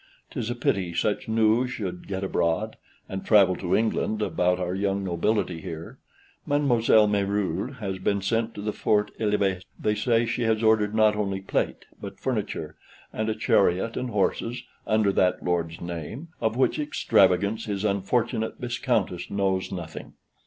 'Tis a pity such news should get abroad (and travel to England) about our young nobility here. Mademoiselle Meruel has been sent to the Fort l'Evesque; they say she has ordered not only plate, but furniture, and a chariot and horses (under that lord's name), of which extravagance his unfortunate Viscountess knows nothing.